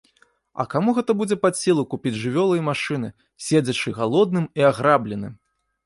А каму гэта будзе пад сілу купіць жывёлу і машыны, седзячы галодным і аграбленым?